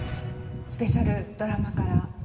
スペシャルドラマから２年。